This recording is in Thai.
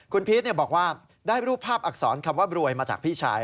คุณพีชบอกว่าได้รูปภาพอักษรคำว่ารวยมาจากพี่ชาย